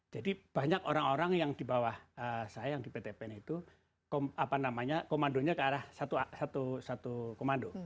jadi banyak orang orang yang di bawah saya yang di pt pn itu komandonya ke arah satu komando